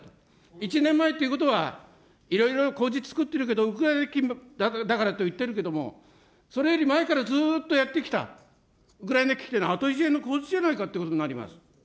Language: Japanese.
１年前っていうことは、いろいろ口実つくってるけど、ウクライナ危機だからと言っているけれども、それより前からずっとやってきたぐらい危機っていうのは、後付けの口実じゃないかと思います。